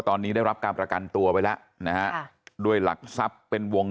ตอนนี้ได้รับการประกันตัวไปแล้วนะฮะด้วยหลักทรัพย์เป็นวง